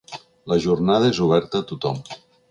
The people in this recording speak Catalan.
La jornada es oberta a tothom.